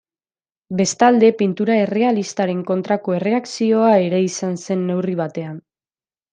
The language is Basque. Bestalde, pintura errealistaren kontrako erreakzioa ere izan zen, neurri batean.